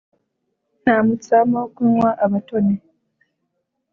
Nta mutsama wo kunywa abatoni